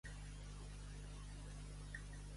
Què sol·licita, doncs, Riera?